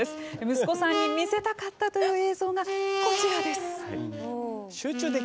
息子さんに見せたかったという映像が、こちらです。